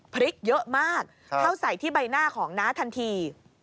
พริกเยอะมากเข้าใส่ที่ใบหน้าของน้าทันที